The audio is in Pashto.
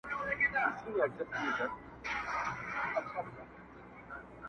زه وایم ما به واخلي، ما به يوسي له نړيه.